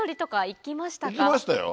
行きましたよ！